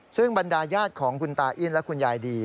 ซึ่งบรรดาญาติของคุณตาอิ้นและคุณยายดี